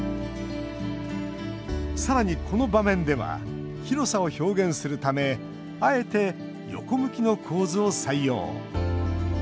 さらに、この場面では広さを表現するためあえて、横向きの構図を採用。